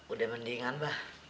udah mendingan bapak